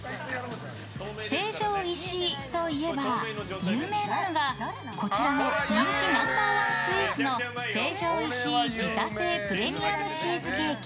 成城石井といえば有名なのがこちらの人気ナンバー１スイーツの成城石井自家製プレミアムチーズケーキ。